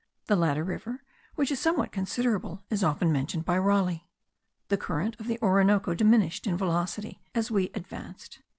The latter river, which is somewhat considerable, is often mentioned by Raleigh. The current of the Orinoco diminished in velocity as we advanced.